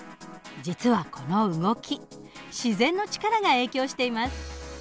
実はこの動き自然の力が影響しています。